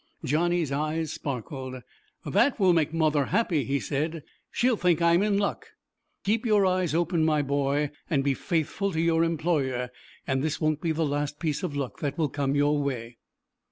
Johnny's eyes sparkled. "That will make mother happy," he said. "She'll think I am in luck." "Keep your eyes open, my boy, and be faithful to your employer, and this won't be the last piece of luck that will come your way."